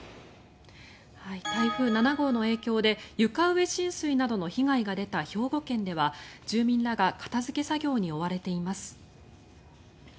台風７号の影響で床上浸水などの被害が出た兵庫県では住民らが片付け作業に追われています。